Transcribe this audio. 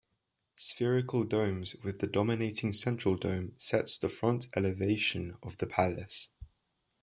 Spherical domes with the dominating central dome sets the front elevation of the palace.